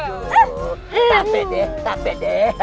aduh tak pede tak pede